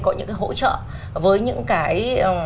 có những hỗ trợ với những cái